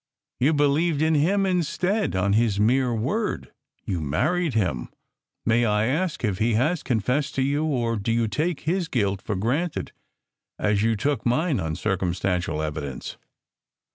You believed in him instead on his mere word. You married him. May I ask if he has con fessed to you, or do you take his guilt for granted as you took mine, on circumstantial evidence?"